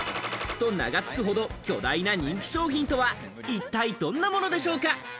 ○○と名が付くほど巨大な人気商品とは、一体どんなものでしょうか。